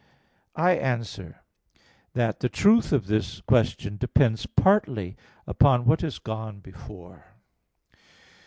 I answer that, The truth of this question depends partly upon what has gone before.